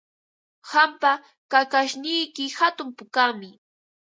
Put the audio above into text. Qampa kakashniyki hatun pukami.